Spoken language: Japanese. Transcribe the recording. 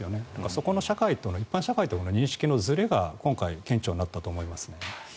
そこの一般社会との認識のずれが今回、顕著になったと思いますね。